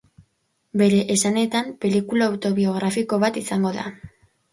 Bere esanetan, pelikula autobiografiko bat izango da.